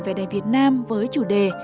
về đại việt nam với chủ đề